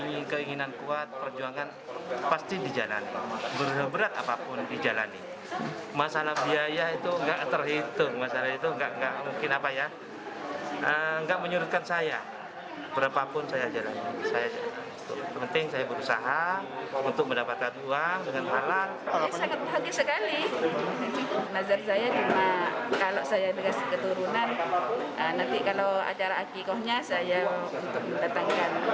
nazir saya cuma kalau saya berhasil keturunan nanti kalau acara akikohnya saya datangkan boleh lah pengajian